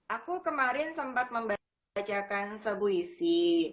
aku kemarin sempat membacakan sepuisi